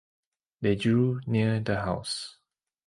They drew near the house.